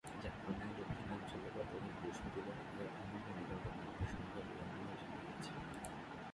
জাপানের দক্ষিণাঞ্চলে গতকাল বৃহস্পতিবার আঘাত হানা ভূমিকম্পে নিহতের সংখ্যা বেড়ে নয়জন হয়েছে।